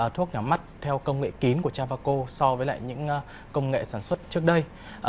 thuốc nhỏ mắt theo công nghệ kín của trafaco so với lại những công nghệ sản xuất trước đây